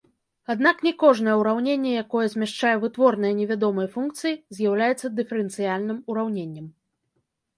Аднак не кожнае ўраўненне, якое змяшчае вытворныя невядомай функцыі, з'яўляецца дыферэнцыяльным ураўненнем.